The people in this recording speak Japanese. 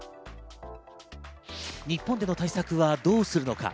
日本での対策はどうするのか。